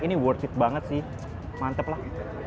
ini worth it banget sih mantep lah